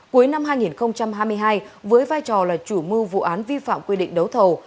cuối năm hai nghìn hai mươi hai với vai trò là chủ mưu vụ án vi phạm quy định đấu thầu